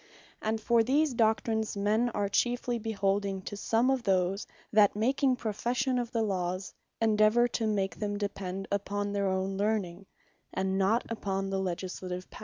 And for these doctrines, men are chiefly beholding to some of those, that making profession of the Lawes, endeavour to make them depend upon their own learning, and not upon the Legislative Power.